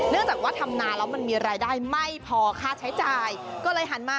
เนื่องจากว่าทำนาแล้วมันมีรายได้ไม่พอค่าใช้จ่ายก็เลยหันมาปลูกชะอมซะเลย